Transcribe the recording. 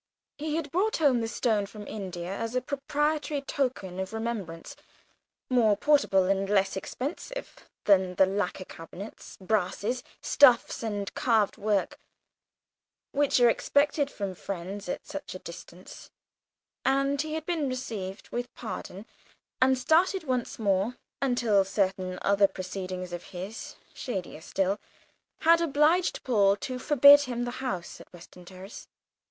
He had brought home the stone from India as a propitiatory token of remembrance, more portable and less expensive than the lacquered cabinets, brasses, stuffs and carved work which are expected from friends at such a distance, and he had been received with pardon and started once more, until certain other proceedings of his, shadier still, had obliged Paul to forbid him the house at Westbourne Terrace.